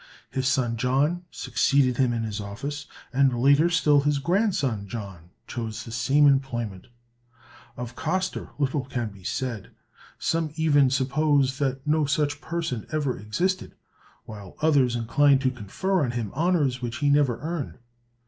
His son John succeeded him in his office, and later still his grandson John chose the same employment. Of Costar, little can be said. Some even suppose that no such person ever existed; while others incline to confer on him honors which he never earned.